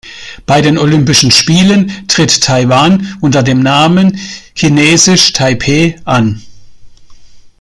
Bei den Olympischen Spielen tritt Taiwan unter dem Namen „Chinesisch Taipeh“ an.